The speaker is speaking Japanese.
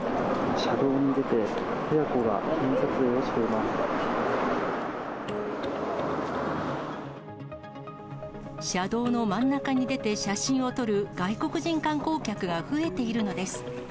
車道の真ん中に出て写真を撮る外国人観光客が増えているのです。